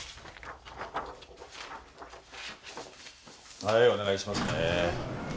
はいお願いしますね